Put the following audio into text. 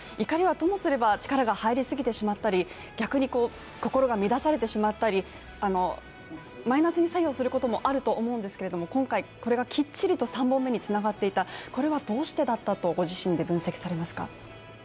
怒りはともすれば力が入りすぎてしまったり逆に心が乱されてしまったり、マイナスに作用することもあると思うんですけども今回これがきっちりと３本目につながっていたこれはどうしてだったと御自身で分析されますか？